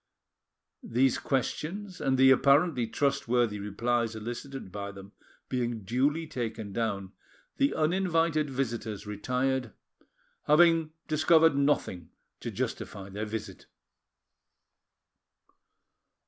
These questions and the apparently trustworthy replies elicited by them being duly taken down, the uninvited visitors retired, having discovered nothing to justify their visit.